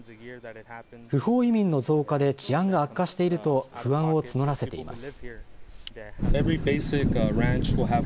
不法移民の増加で治安が悪化していると、不安を募らせています。